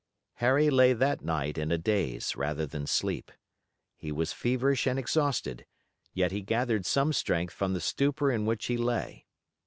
Harry lay that night in a daze rather than sleep. He was feverish and exhausted, yet he gathered some strength from the stupor in which he lay.